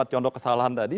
contoh kesalahan tadi